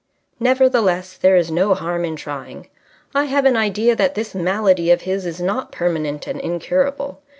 "Nevertheless, there is no harm in trying. I have an idea that this malady of his is not permanent and incurable.